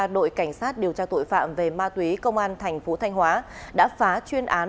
đội cảnh sát điều tra tội phạm về ma túy công an tp thanh hóa đã phá chuyên án